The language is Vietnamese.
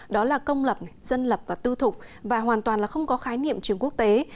đó là công lập dân lập và tư thục và hoàn toàn là không có khái niệm trường quốc tế